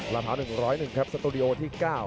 พร้าว๑๐๑ครับสตูดิโอที่๙